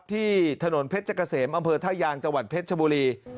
ที่ถนนเพชรเกษมอำเภอท่ายางจังหวัดเพชรชบุรี